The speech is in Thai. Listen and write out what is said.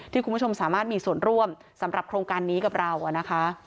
คุณผู้ชมสามารถมีส่วนร่วมสำหรับโครงการนี้กับเรานะคะ